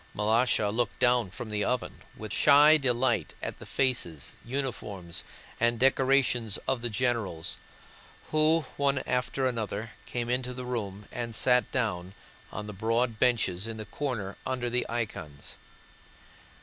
Malásha looked down from the oven with shy delight at the faces, uniforms, and decorations of the generals, who one after another came into the room and sat down on the broad benches in the corner under the icons.